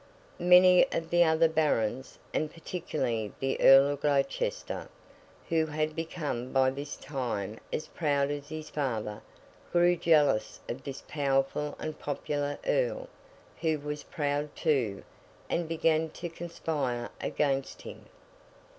Many of the other Barons, and particularly the Earl of Gloucester, who had become by this time as proud as his father, grew jealous of this powerful and popular Earl, who was proud too, and began to conspire against him.